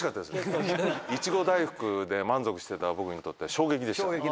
いちご大福で満足してた僕にとっては衝撃でしたね。